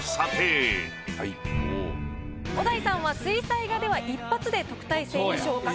小田井さんは水彩画では一発で特待生に昇格。